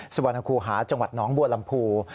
สวัสดีครูฮาจังหวัดน้องบัวลำภู